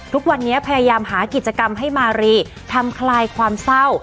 ทุกวันนี้พยายามหากิจกรรมให้มารีทำคลายความเศร้า